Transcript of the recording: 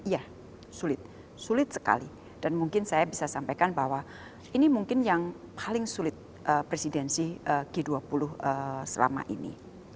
ya sulit sulit sekali dan mungkin saya bisa sampaikan bahwa ini mungkin yang paling sulit presidensi g dua puluh selama ini